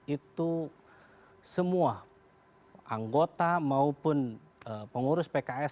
itu semua anggota maupun pengurus pks